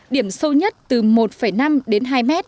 điểm sâu nhất từ một năm đến hai m